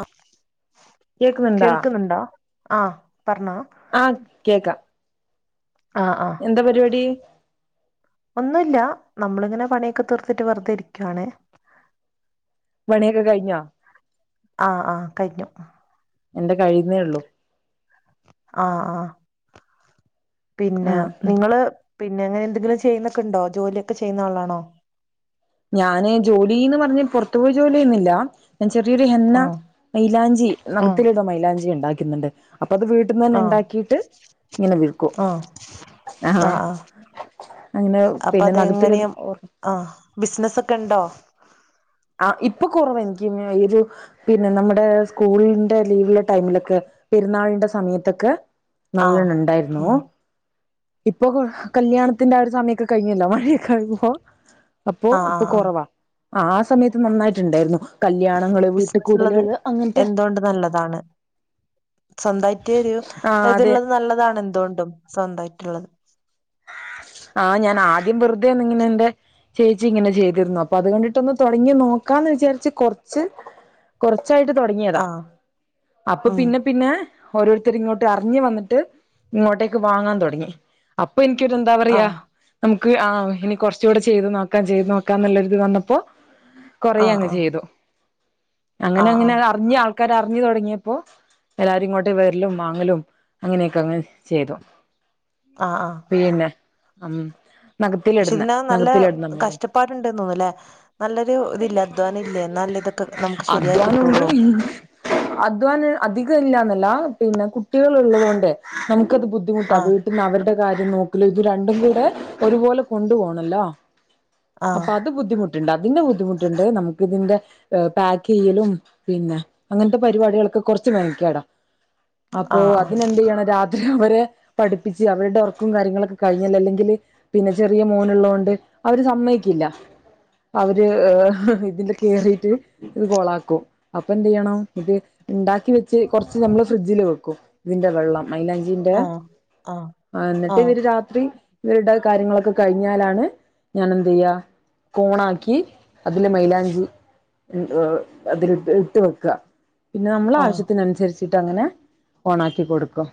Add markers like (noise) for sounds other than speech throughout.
ആഹ് കേക്കുന്നുണ്ടാ കേൾക്ക്ണ് ണ്ടോ ആഹ് പറഞ്ഞോ. ആഹ് കേക്കാം. ആഹ് ആഹ് എന്താ പരിപാടി ഒന്നുല്ല നമ്മളിങ്ങനെ പണിയൊക്കെ തീർത്തിട്ട് വെറുതെ ഇരിക്കുവാണ്. പണിയൊക്കെ കഴിഞ്ഞോ ആഹ് ആഹ് കഴിഞ്ഞു. എന്റെ കഴിയുന്നേള്ളൂ. ആഹ് ആഹ് പിന്നെ ആഹ് നിങ്ങള് പിന്നെ അങ്ങനെ എന്തെങ്കിലും ചെയ്യുന്നൊക്കെണ്ടോ ജോലിയൊക്കെ ചെയ്യുന്ന ആളാണോ ഞാന് ജോലിന്ന് പറഞ്ഞ് പൊറത്തു പോയി ജോലിയെന്ന്ല്ല ഞാൻ ചെറിയൊരു ഹെന്ന ആ മൈലാഞ്ചി ആ നഖത്തിലിട മൈലാഞ്ചിയുണ്ടാക്ക്ന്ന്ണ്ട് അപ്പൊ അത് വീട്ട- ആ ട്ട്ന്നെന്നെഇണ്ടാക്കിട്ട് ഇങ്ങനെ വിൽക്കും ആ ആഹ് ആ ആഹ് ആ അങ്ങനെ പിന്നെ നഖത്തില്ട്ന്ന് ഓ ആഹ് ബിസ്നസ്സൊക്കെണ്ടോ ആഹ് ഇപ്പൊ കൊറവ എനിക്ക്ഞ് ഒരു- പിന്നെ നമ്മുടെ സ്കൂളിന്റെ ലീവിലെ ടൈമിലൊക്കെ പെരുന്നാളിന്റെ സമയത്തൊക്കെ ആ നല്ലേണ്ണം ണ്ടായിര്ന്നു ഉം ഇപ്പൊ കല്യാണത്തിന്റെ ആ ഒരു സമയമൊക്കെ കഴിഞ്ഞല്ലോ മഴയൊക്കെ (unintelligible) മ്പോ അപ്പൊ ആ ആ ഇപ്പൊ ആ കൊറവാ ആഹ് ആ സമയത്ത് നന്നായിട്ടുണ്ടായിരുന്നു കല്യാണങ്ങള് വീട്ടിൽ ബിസിനസ്ള്ളത് കൂടലുകള് അങ്ങനത്തെ എന്തോണ്ട് നല്ലതാണ് സ്വന്തായിറ്റ് ഒരു ആ അതെ ഇതള്ളത് നല്ലതാണ് എന്തുകൊണ്ടും സ്വന്തായ്റ്റ്ള്ളത് ആഹ് ഞാനാദ്യം വെറ്തേ ഒന്നിങ്ങനെന്റെ ചേച്ചി ഇങ്ങനെ ചെയ്തിർന്നു അപ്പൊ അത് കണ്ടിട്ടൊന്നു തൊടങ്ങി നോക്കാന്ന് വിചാരിച്ച് കൊർച്ച് കുറച്ചായിട്ട് തൊടങ്ങിയതാ ആ അപ്പൊ ഉം പിന്നെ പിന്നെ ഓരോര്ത്തരിങ്ങോട്ട് അർഞ്ഞ് വന്നിട്ട് ഇങ്ങോട്ടേക്ക് വാങ്ങാൻ തൊടങ്ങി. അപ്പൊ ഇൻക്കൊരു എന്താ ആ പറയാ നമുക്ക് ആഹ് ഇനി കൊറച്ചുകൂടെ ചെയ്ത് നോക്കാം ചെയ്തു നോക്കാംന്ന്ള്ളൊരുത് വന്നപ്പോ കൊറേ ആ അങ്ങ് ആ ചെയ്തു. അങ്ങനെ ആഹ് അങ്ങനെ അത് അറിഞ്ഞ് ആൾ ക്കാര് അറിഞ്ഞു തൊടങ്ങിയപ്പോ എല്ലാവരും ഇങ്ങോട്ട് വെര്ലും വാങ്ങലും അങ്ങനെയൊക്കെഅങ്ങ് ചെയ്തു ആഹ് ആഹ് പിന്നെ അം പക്ഷെ ഇതിനകം നല്ലെ മേല് കഷ്ടപ്പാട്ണ്ട്ന്നോന്ന് അല്ലെ നല്ലൊരു ഇതില്ലെ അധ്വാനം ഇല്ലേ ന്നാൽല്ലെ ഇതൊക്കെ നമുക്ക് ശരിയായി അധ്വാനമുണ്ട് കിട്ടുള്ളൂ അധ്വാനം അധികം ഇല്ലാന്നല്ല പിന്നെ കുട്ടികള് ള്ളത് കൊണ്ട് നമ്മുക്കത് ബുദ്ധ ദ്ധിമുട്ടാ ആഹ് വീട്ടിൽന്ന് അവര്ടെ കാര്യം നോക്കലു ഇത് രണ്ടും കൂടെ ഒരുപോലെ കൊണ്ടുപോണല്ലോ ആഹ് അപ്പൊ അത് ബുദ്ധിമുട്ടുണ്ട് അതിന്റെ ബുദ്ധിമുട്ടുണ്ട് നമുക്ക് ഇതിന്റെ എഹ് പാക്കെയ്യലും പിന്നെ അങ്ങൻത്തെ പരിപാടികളൊക്കെ കൊറച്ച് മെനക്കേടാ (inaudible) അപ്പോ അതിനെന്ത്യ്യണം രാത്രി ഇവരെ പഠിപ്പിച്ച് അവരുടെ ഒർ ക്കും കാര്യങ്ങളൊക്കെ കഴിഞ്ഞല് അല്ലെങ്കില് പിന്നെ ചെറിയ മോന്ള്ളൊണ്ട് അവര് സമ്മയ്ക്കില്ല അവര് ഇഹ് ഇതില് കേറിയിട്ട് ഇത് കൊളാക്കും അപ്പൊ എന്ത്യ്യണം ഇത് ഇണ്ടാക്കി വെച്ച് കൊറച്ച് നമ്മള് ഫ്രിഡ്ജില് വെക്കും. ഇതിന്റെ വെള്ളം മൈലാ ഞ്ചിന്റെ ആഹ് ആഹ് എന്നിട്ട് ആഹ് ഇവര് രാത്രി ഇവര്ടെ കാര്യങ്ങളൊക്കെ കഴിഞ്ഞാലാണ് ഞാനെന്ത്യ്യ കോണാക്കി അതില്െ മൈലാഞ്ചി അതില് ഇട്ട് വെക്കുക പിന്നെ നമ്മൾ ആഹ് ആവശ്യത്തിനനുസരിച്ചിട്ട് അങ്ങനെ ഓണ ആാക്കി കൊടുക്കും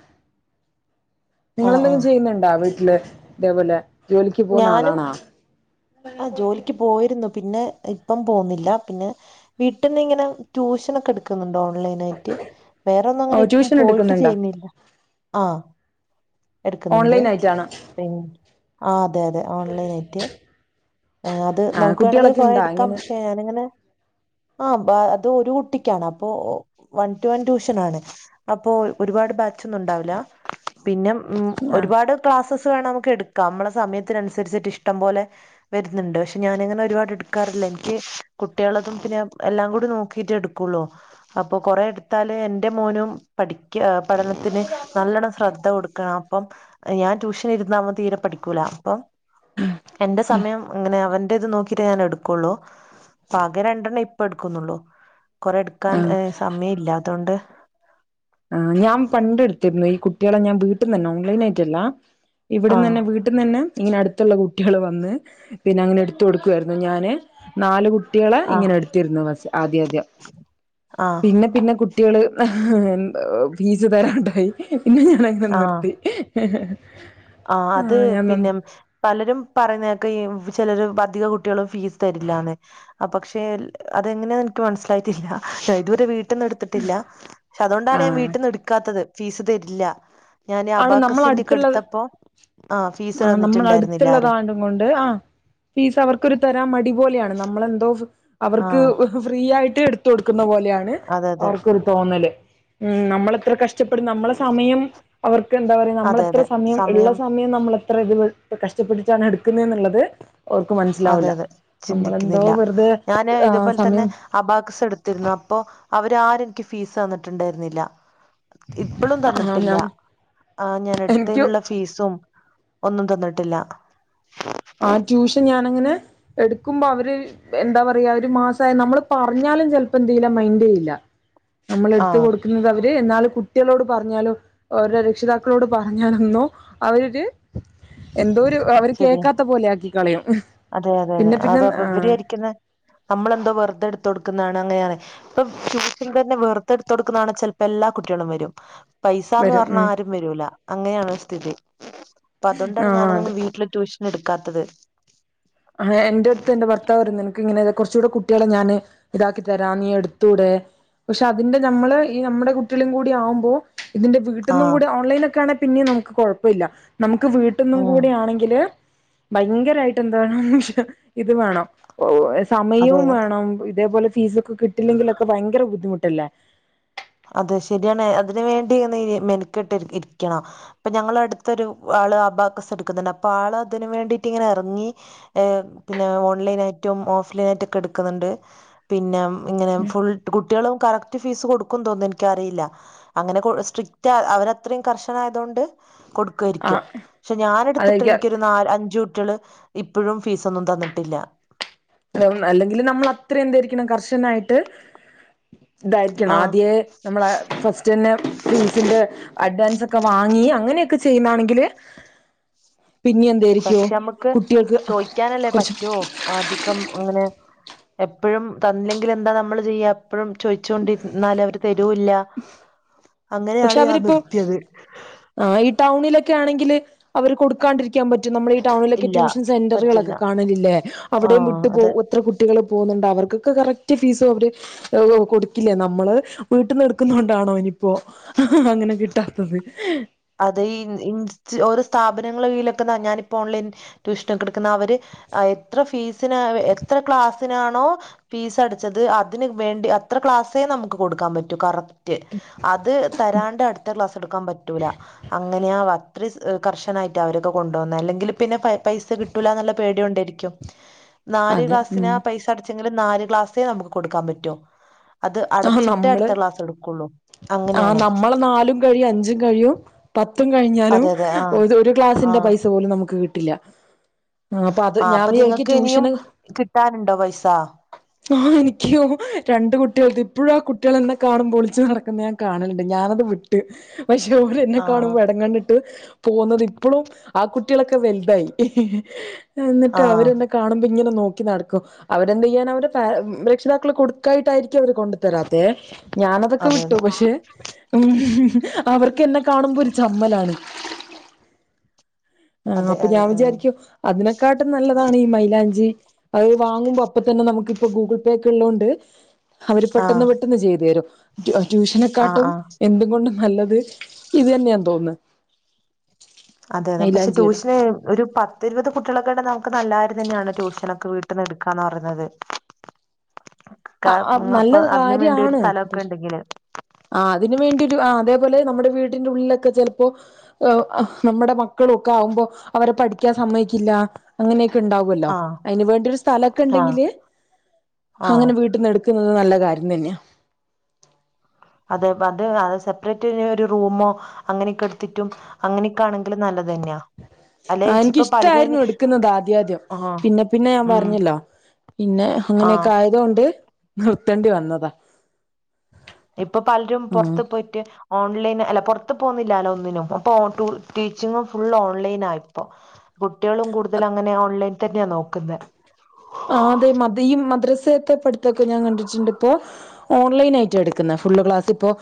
ആഹ് നിങ്ങെന്തെങ്കിലും ആഹ് ചെയ്യുന്നുണ്ടോ വീട്ടില് ഇതേപോലെ ജോലിക്ക് പോകുന്ന ആളാണോ ആഹ ജോലി പോയിരുന്നു പിന്നെ ഇപ്പം പോുന്നില്ല പിന്നെ വീട്ടന്ന് ഇങ്ങനെ ട്യൂഷന ഒക്കെ എടു ക്ക്‌ ന്നുണ്ട് ഓൺലൈൻ ആയിട്ട് വേറെ ഒന്നും ഓ അങ്ങനെ ഇപ്പം ട്യൂഷൻ പോയിട്ട് എടുക്കുന്നുണ്ടോ ചെയ്യുന്നില്ല ആ എടുക്കുന്നുണ്ട് ഓൺലൈൻ ആയിട്ടാണോ പി ആ അതെ അതെ ഓൺലൈനാ യിട്ട് അത് ആഹ് നമു ക്ക്‌ വേണെങ്കിൽ കുട്ടികളൊക്കെ കുറെ ഇണ്ടാ എടുക്കാം എങ്ങനെ പക്ഷെ ഞാനിങ്ങനെ ആ അത് ഒരു കുട്ടിക്കാണ് അപ്പൊ വൺ ടു വൺ ട്യൂഷൻ ആണ് അപ്പൊ ഒരുപാട് ബാച്ഒന്നും ഉണ്ടാവില്ല പിന്നെ ഉം ആഹ് ഒരുപാട് ക്ലാസ്സസ് വേണം നമുക്ക് എടുക്കാം നമ്മളെ സമയത്തിനനുസരിച്ചിട്ട് ഇഷ്ടം പോലെ വരുന്നുണ്ട് പക്ഷെ ഞാന അങ്ങനെ ഒരുപാട് എടുക്കാറില്ല എനിക്ക് കുട്ടികളതും പിന്നെ എല്ലാം കൂടി നോക്കിട്ട് എടുക്കുള്ളോ അപ്പൊ കൊറെ എടുത്താല് എന്റെ മോനും പഠിക്ക പഠനത്തിന് നല്ലോണ്ണം ശ്രദ്ധ കൊടുക്കണം അപ്പം ഞാൻ ട്യൂഷൻ ഇരുന്ന അവൻ തീരെ പഠിക്കൂല അപ്പൊ എന്റെ സമയം അങ്ങനെ അവന്റെ ഇത് നോക്കി ഞാൻ എടുക്കുള്ളൂ അപ്പൊ ആകെ രണ്ടെണ്ണം ഇപ്പ എടുക്കുന്നുള്ളൂ കൊറെ എടുക്കാൻ ആഹ് സമയം ഇല്ല അതുകൊണ്ട് ഞാ പണ്ടെടുത്തിരുന്നു ഈ കുട്ടികളെ ഞാൻ വീട്ടന്ന് തന്നെ ഓൺലൈൻ ആയിട്ടല്ല ഇവിടന്ന് ആഹ് തന്നെ വീട്ട വീട്ട് ന്ന് ന്നെ ഇങ്ങനെ അടുത്തുള്ള കുട്ടികൾ വന്ന് പിന്നെ അങ്ങനെ എടുത്ത കൊടുക്കാ യിരുന്നു ഞാൻ നാലു കുട്ടികളെ ആഹ് ഇങ്ങനെ എടുത്തിരുന്നു ആദ്യ ആദ്യ ആഹ് പിന്നെ പിന്നെ കുട്ടിൾ ഫീസ് തരാൻണ്ടായി പിന്നെ ഞാനങ്ങനെ നിർത്തി (unintelligible) ആ അത് ആഹ് ഞാൻ പിന്നെ പലരും പറയുന്നക്കെ ഈ ചിലർ അധിക കുട്ടികളും ഫീസ് തരില്ലന്ന് പക്ഷെ അതെങ്ങനെയന്ന് എനിക്ക് മനസ്സിലായിട്ടില്ല ഇതുവരെ വീട് വീട്ടന്ന് എടുത്തിട്ടില്ല പക്ഷെ അതുകൊണ്ടാണ് ഞാൻ ആഹ് വീട്ടന്ന് എടുക്കാത്തത് ഫീസ് തരില്ല ഞാൻ ആണ് നമ്മള അബാാക്കസിന്റെക്ക അടുത്തുള്ള എടുത്തപ്പോ ആ ഫീസ് തന്നിട്ടുണ്ടായിരുന്നില്ല ആരും ഒണ്ട് ആ ഫീസ് അവർക്കരു തരാ മടി പോലെയാണ് നമ്മളെന്തോ അവർക്ക് ആഹ് ഫ്രീ ആയിട്ട് എടുത്ത കൊടുക്കുന്ന പോലെയാണ് അതെ അതെ അവർക്കൊരു തോന്നല് ഉം നമ്മളെത്ര കഷ് ഷ്ട്ടപ്പെടുന്ന നമ്മളെ സമയം അവർക്ക് എന്താ പറയാ അതെ നമ്മളെത്ര അതെ സമയം ഉള്ള സ നമ്മൾ എത്ര ഇത് കഷ്ടപ്പെട്ടിട്ടാണ് എടുക്കുന്നത്ുള്ളത് ഓർക്ക് മനസ്സിലാവു അതെ ല്ല അതെ നമ്മളെന്തോ ചിന്തിക്കുന്നില്ല വെറുതെ ആ സമയം അബാഗസ് എടുത്തിരുന്നു അപ്പോ അവരാരും നിക്ക് ഫീസ് തന്നിട്ടുണ്ടായിരുന്നില്ല ഇപ്പളും ആ തന്നിട്ടില്ല ഞാൻ ആ് ഞാൻ എനിക്ക് എടുത്തേനുള്ള ഫീസും ഒന്നും തന്നിട്ടില്ല ആ ട്യൂഷൻ ഞാനങ്ങനെ എടുക്കുമ്പോ അവര് എന്താ പറയാ ഒരു മാസ ആയ നമ്മള് പറഞ്ഞാലും ചെലപ്പോ എന്തയ് ല മൈൻഡ് ചെയ്ല്ല നമ്മൾ എടുത്ത ആഹ് കൊടുക്കുന്നത് അവര് എന്നാൽ കുട്ടികളോട് പറഞ്ഞാലോ ഓരെ രക്ഷിതാക്കളോട് പറഞ്ഞാലന്നോ അവരൊര് എന്തോ ഒരു അവർ കേക് ശരിയാ ക്കാത്ത പോലെ ആക്കി കളയും അതെ അതെ അതെ പിന്നെ അവ പിന്നെ ആ ഇവര് വിചാരിക്കുന്നെ നമ്മളെന്തോ വെറുതെടുത്തു കൊടുക്കു ന്നതാണ് അങ്ങനെയാണ് ഇപ്പം (unintelligible) തന്നെ വെറ് തെ എടുത്ത്ടുകാണെങ്ക ചിലപ്പോ എല്ലാ കുട്ടികളും വരും പൈസന്ന് വരും പറഞ്ഞ ഉം ആരും വരൂല അങ്ങനെയാണ് സ്ഥിതി അപ്പൊ ആ അതുണ്ടാണ് ഞാൻ അത് വി ട്ടിൽ ട്യൂഷൻ എട്ക്കാത്തത് ഹേ എന്റെ അടുത്ത് എന്റെ ഭർത്താവ് ര്ന്നു നിനക്ക് ഇങ്ങെ കുറച്ചുകൂടെ കുട്ടികളെ ഞാൻ ഇതാക്കി തരാൻ നീ എടുത്തൂടെ പക്ഷെ അതിന്റെ നമ്മള് ഈ നമ്മുടെ കുട്ടികളു കൂടി ആവുമ്പോൾ ഇതിന്റെ വീട്ടിന്നും ആഹ് കൂടി ഓൺലൈന ഒക്കെ ആണെങ്കി പിന്നെ നമുക്ക് കുഴപ്പല്ല നമുക്ക് വീട്ടിൽന്നും ഉം കൂടി ആണെങ്കില് ഭയങ്കരായിട്ട് എന്താണ് ഇത് വേണം അതെ സമയും അതെ വേണം ഇതേപോലെ ഫീസൊക്കെ കിട്ടില്ലെങ്കിലൊക്കെ ഭയങ്കര ബുദ്ധിമുട്ടല്ലേ അതെ ശരിയാണ് അതിന് വേണ്ടി മെനക്കെട്ട് ഇരിക്കണം ഇപ്പ ഞങ്ങള അടുത്തൊരു ആള് അബാകസ് എടുക്കുന്നുണ്ട് അപ്പൊ ആള് അതിന് വേണ്ടിട്ട് ഇങ്ങനെ എറങ്ങി ഏഹ് പിന്നെ ഓൺലൈൻ ആയിട്ടും ഓഫ് ലൈൻ ആയിട്ടൊക്കെ എട്ക്ക്‌ന്ന്ണ്ട് പിന്നെ ഇങ്ങനെ ഫുൾ കുട്ട്യാളും കറക്റ്റ് ഫീസ് കൊടു ക്കും തോന്ന്ന്നു എനിക്കറിയില്ല അങ്ങനെ സ്ട്രിക്റ്റ് അവരത്രയും കർശനായതോണ്ട് ആ കൊടുക്കായിരിക്കും പക്ഷെ ഞാന് എടുത്തിട്ട് അതൊക്കെ എനിക്കൊരു നാല് അഞ്ച് കുട്ട്യാള് ഇപ്പഴും ഫീസ് ഒന്നും തന്നിട്ടില്ല അല്ലെങ്കിൽ നമ്മൾ അത്ര എന്തായിരിക്കണം കർശനായിട്ട് ഇതായിരിക്കണം ആ ആദ്യേ നമ്മളെ ഫസ്റ്റ്ന്നെ ഫീസിൻ്റെ അഡ്വാൻസ് ഒക്കെ വാങ്ങി അങ്ങനെ ഒക്കെ ചെയ്യുന്നാണെങ്കില് പിന്നി എ പക്ഷെ നമുക്ക് ചോയിക്കാനല്ലേ കുറച്ച് പറ്റു അധികം അങ്ങനെ എപ്പഴും തന്ന്ല്ലെങ്കിൽ എന്താ നമ്മള് ചെയ്യ എപ്പഴും ചോയിച്ചുണ്ടിരുന്നാല് അവര് തരുംല്ല (unintelligible) പക്ഷെ അവരിപ്പോ ആഹ് ഈ ടൗണിലൊക്കെ ആണെങ്കിൽ അവര് കൊടുക്കാണ്ടിരി ക്കാൻ പറ്റും നമ്മളെ ഈ ടൗണിലൊക്കെ ഇല്ല ട്യൂഷൻ പറ്റില്ല സെന്ററ്കളൊക്കെ കാണലില്ലേ അവിടെം ആഹ് വിട്ട് അതെ പോവും എത്ര കുട്ട കുട്ടികള് പോകുന്നുണ്ട് അവർക്കൊക്കെ കറക്റ്റ് ഫീസും അവര് കൊടുക്കില്ലേ നമ്മള് വീട്ട്ന്ന് എടുക്കുന്നോണ്ടാണോ ഇനിയിപ്പോ അങ്ങനെ കിട്ടാത്തത് അതെ ഇൻ ഇൻസ് ഓരോ സ്ഥാപനങ്ങളെ കീഴിലൊക്കെതാ ഞാനിപ്പോ ഓൺലൈൻ ട്യൂഷനൊക്കെ ഇട്ക്ക്ന്ന അവര് കെട്ക്കുന്ന അവര് എത്ര ഫീസ്നാ എത്ര ക്ലാസിനാണോ ഫീസ് അടച്ചത് അതിന് വേണ്ടി അത്ര ക്ലാസ്സേ നമുക്ക് കൊടുക്കാൻ പറ്റൂ കറ റ്റ് അത് തരാണ്ട് അടുത്ത ക്ലാസ് എടുക്കാൻ പറ്റൂല അങ്ങനെയ വ സ് കർശനായിട്ടാ അവരൊക്കെ കൊണ്ടോന്നെ അല്ലെങ്കിൽ പിന്നെ പൈ പൈസ കിട്ടൂല്ലാന്ന്ള്ള പേടികൊണ്ടേയിരിക്കും നാല് അതെ ഉം ക്ലാസ്സിനാ പൈസ ആ അടച്ചെങ്കില് നാല് ക്ലാസ്സേ നമുക്ക് കൊടുക്കാൻ പറ്റു അത് അടച്ചിട്ടേ അടുത്ത ക്ലാസ് എടുക്കുള്ളൂ ആഹ് അങ്ങനെയാണ് നമ്മള് നാലും കഴിയും അഞ്ചും കഴിയും പത്തും കഴിഞ്ഞാലും അതെ അതെ ആ ഒത് ഒരു ആ ക്ലാസിന്റെ പൈസ പോലും നമുക്ക് കിട്ടില്ല ആഹ് അപ്പൊ അത് ആ ഞാൻ വിചാരിക്ക നിങ്ങൾക്ക് ഇനിയും ട്യൂഷന് കിട്ടാനുണ്ടോ പൈസ ആഹ് എനിക്കും രണ്ട് കുട്ട്യാള്ത്‌ ഇപ്പഴും ആ കുട്ടികൾ എന്നെ കാണുമ്പോൾ ഒളിച്ചു നടക്ക ക്ക്ന്ന ഞാൻ കാണലുണ്ട് ഞാനത് വിട്ട് പക്ഷെ ഓര് എന്നെ ആ കാണുമ്പോ എടം കണ്ണിട്ട് പോന്നത് ഇപ്പളും ആ കുട്ടികളൊക്കെ വലുതായി എന്നിട്ട് ആ അവര് എന്നെ കാണുമ്പോ ഇങ്ങനെ നോക്കി നടക്കും അവരെന്ത് ചെയ്യാനാ അവരെ പേ രക്ഷിതാക്കൾ കൊടുക്കായിട്ടായിരിക്കും അവര് കൊണ്ടു തരാത്തെ ഞാൻ അതൊക്കെ അതെ വിട്ട് അതെ അവർക്കെന്നെ കാണുമ്പോ ഒരു ചമ്മലാണ് ആഹ് അതെ അപ്പൊ അതെ ഞാൻ വിചാരിക്കും അതിനെക്കാട്ടും നല്ലതാണ് ഈ മൈലാഞ്ചി അത് വാങ്ങുമ്പോ അപ്പ തന്നെ നമുക്കിപ്പോ ഗൂഗിൾ പേ ഒക്കെ ഇള്ളോണ്ട് അവര് ആ ആ പെട്ടെന്ന് പെട്ട ട്ടന്ന് ചെയ്തു തരും ആ ട്യൂഷനെക്കാട്ടും ആ എന്ത്‌ കൊണ്ടും നല്ലത് ഇത് തന്നെയ തോന്ന്ന്ന് അതെ അതെ പക്ഷെ മൈലാഞ്ചിയുടെ ട്യൂഷന് ഒരു പത്ത് ഇരുപത് കുട്ടികളൊക്കെ ഇണ്ടെങ്കി നമുക്ക് നല്ല കാര്യം തന്നെയാണ് ട്യൂഷനൊക്കെ വീട്ട്ന്ന് എടുക്കാന്ന് പറയുന്നത് ക ആഹ് ആഹ് നല്ല അപ്പൊ അതിന് വേണ്ടി ഒരു കാര്യാണ് സ്ഥലൊക്കെ ഉണ്ടെങ്കില് ആഹ് അതിന് വേണ്ടി ഒരു ആഹ് അതേപോലെ നമ്മുടെ വീടിന്റെ ഉള്ളിലൊക്കെ ചെലപ്പോ ഏഹ് നമ്മുടെ മക്കളൊക്കെ ആവുമ്പോ അവരെ പഠിക്കാൻ സമ്മതിക്കില്ല അങ്ങനെയൊക്കെ ഇണ്ടാവുല്ലോ ആ അയിന് വേണ്ടി ഒരു സ്ഥലൊക്കെ ആ ഇണ്ടെങ്കിൽ ആ അങ്ങനെ വീട്ടിന്ന് എടുക്ക ക്ക്ന്നത് നല്ല കാര്യം തന്നെയാണ് അതെ അത് സെപ്പറേറ്റ് ഇനി ഒരു റൂമോ അങ്ങനെ ഒക്കെ ഇട്ത്തിട്ടും അങ്ങനെയൊക്കൊണെങ്കിലും നല്ലത് തന്നെയാ അല്ലെ ആഹ് ഇപ്പൊ പലരും അയിന് എനിക്കിഷ്ടായിരുന്നു ഇടുക്കുന്നത് ആദ്യ ആദ്യം ആ പിന്നെ പിന്നെ ഞാൻ ഉം പറഞ്ഞല്ലോ പിന്നെ ആ അങ്ങനെയൊക്കെ ആയതൊണ്ട് നിർത്തേണ്ടി വന്നതാ ഇപ്പൊ പലരും പൊറ്ത്ത് ആഹ് പോയിട്ട് ഓൺലൈൻ അല്ല പുറത്ത് പോകുന്നില്ല അല്ലോ ഒന്നിനും അപ്പൊ ടീച്ചിങ്ങും ഫുൾ ഓൺലൈൻ ആയിപ്പോ കുട്ടികളും കൂടുതൽ അങ്ങനെ ഓൺലൈൻ തന്നെയാ നോക്കുന്നത് ആഹ് അതെ മ ഈ മദ്രസയൊക്കെ പഠിത്തൊക്കെ ഞാൻ കണ്ടിട്ടുണ്ട് ഇപ്പോ ഓൺലൈൻ ആയിട്ടാ എടുക്കുന്നത് ഫുള്ള് ക്ലാസ് ഇപ്പോൾ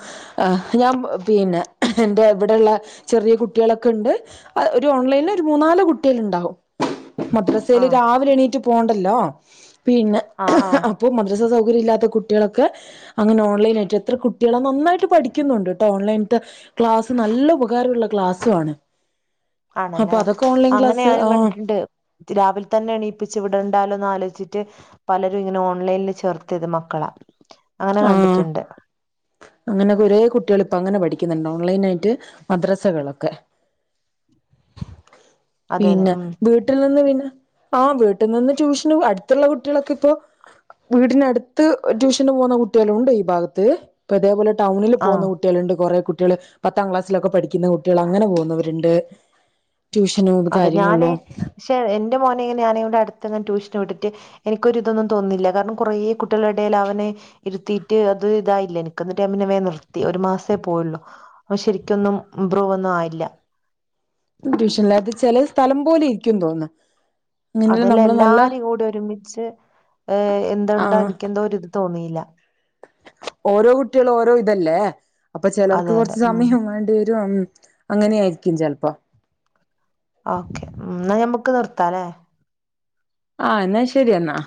ആഹ് ഞാൻ പിന്നെ എന്റെ ഇവിടുള്ള ചെറിയ കുട്ടികളൊക്കെ ഉണ്ട് ഒരു ഓൺലൈനില് ഒരു മൂന്നാല് കുട്ടികൾ ഉണ്ടാവും ആ മദ്രസേല് രാവിലെ എണീറ്റ് പോവണ്ടല്ലോ പിന്നെ ആ ആ ഇപ്പൊ മദ്രസാ സൗകര്യം ഇല്ലാത്ത കുട്ടികളൊക്കെ അങ്ങനെ ഓൺലൈനായിട്ട് എത്ര കുട്ടികളാ നന്നായിട്ട് പഠിക്കുന്നുണ്ട് കേട്ടോ ഓൺലൈൻട്ട് ക്ലാസ്സ് നല്ല ഉപകാരമുള്ള ക്ലാസ്സുവാണ് ആണല്ലേ അങ്ങനെ ക്ലാസ് ഞാനും ആ കണ്ടിട്ടുണ്ട് രാവിലെ തന്നെ എണീപ്പിച്ച് വിടണ്ടാലോന്ന് ആലോചിച്ചിട്ട് പലരും ഇങ്ങനെ ഓൺലൈനിൽ ചേർത്തിയത് മക്കളാ ആഹ് അങ്ങനെ കൊറേ കുട്ടികൾ ഇപ്പൊ അങ്ങനെ പഠിക്കുന്നുണ്ട് ഓൺലൈൻ ആയിട്ട് മദ്രസകളൊക്കെ അതെ അതെ പിന്നെ ഉം വീട്ടിൽ നിന്ന് പിന്നെ ആഹ് വീട്ടിൽ നിന്ന് ട്യൂഷന് അടുത്തുള്ള കുട്ടികളൊക്കെ ഇപ്പോ വീടിനടുത്ത് ട്യൂഷന് പോകുന്ന കുട്ടികളുണ്ട് ഈ ഭാഗത്ത് ഇപ്പ ഇതേപോലെ ടൗണിൽ ആ പോകുന്ന കു ട്ടികളുണ്ട് കുറെേ കുട്ടികൾ പത്താം ക്ലാസ്സിലൊക്കെ പഠിക്കുന്ന കുട്ടികൾ അങ്ങനെ പോകുന്നവരുണ്ട് ട്യൂഷനും അതെ ഞാന് കാര്യങ്ങളിലും പക്ഷെ എൻറെ മോനെ ഞാനേ അടുത്തങ്ങെ ട്യൂഷന് വിട്ടിട്ട് എനിക്കൊരു ഇതൊന്നും തോന്നിയില്ല കാരണം കുറെ കുട്ടികളെ ഇടയില് അവനെ ഇരുത്തീട്ട് അത് ഇതായില്ല എനിക്കെന്നിട്ട് ഞാൻ വേഗം നിർത്തി ഒരു മാസേ പോയുള്ളു ഇവൻ ശെരിക്കൊന്നും ഇംമ്പ്രൂവ് ഒന്നും ആയില്ല ട്യൂഷൻലാത്ത് ചില സ്ഥലം പോലെ ഇരിക്കുംന്ന് തോന്നുന്നു അങ്ങനെയുള്ള അതെല്ലാം നമ്മള് നല്ല എല്ലാരും കൂടി ഒരുമിച്ച് എന്താണ്ട് ആ എനിക്ക് എന്തോ ഒരു ഇത് തോന്നിയില്ല ഓരോ കുട്ടികൾ ഓരോ ഇതല്ലേ അപ്പൊ ചിലർക്ക് അതെ അതെ കുറച്ച് ഉം സമയം വേണ്ടി വരും അങ്ങനെയായിരിക്കും ചിലപ്പോ ഓക്കെ എന്നാ ഞമ്മക്ക് നിർത്താല്ലേ ആഹ് എന്നാ ശെരിയെന്നാ